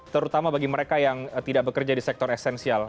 terutama bagi mereka yang tidak bekerja di sektor esensial